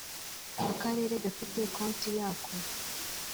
akarere gafite konti yako